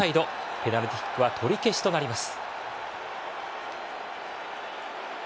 ペナルティーキックは取り消しとなります。